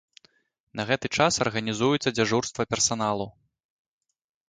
На гэты час арганізуецца дзяжурства персаналу.